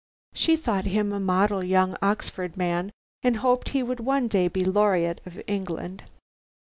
She thought him a model young Oxford man, and hoped he would one day be Laureate of England.